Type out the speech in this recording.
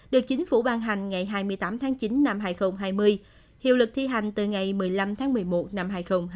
được chính phủ ban hành ngày hai mươi tám tháng chín năm hai nghìn hai mươi hiệu lực thi hành từ ngày một mươi năm tháng một mươi một năm hai nghìn hai mươi